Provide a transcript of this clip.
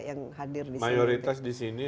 yang hadir di sini mayoritas di sini